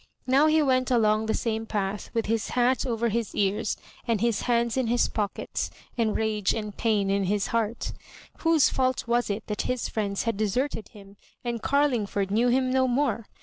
Now he went along the same path with his hat over his ears and his hands in his pock ets, and rage and pain in his heart "Whose fault was it that his friends had deserted him and Carlingford knew him no more